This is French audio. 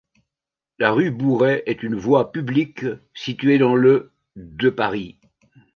La rue Bouret est une voie publique située dans le de Paris.